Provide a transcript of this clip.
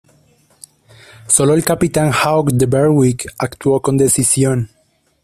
Sólo el capitán Hawke, del "Berwick", actuó con decisión.